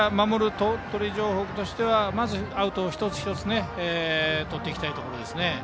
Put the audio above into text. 鳥取城北としてはまずアウトを一つ一つとっていきたいところですね。